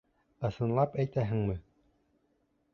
Ысынлап әйтәһеңме?